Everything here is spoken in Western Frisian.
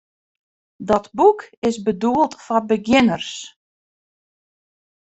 Dat boek is bedoeld foar begjinners.